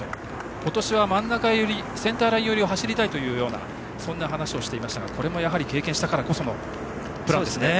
今年はセンターライン寄りを走りたいという話をしていましたがこれも経験したからこそのプランですね。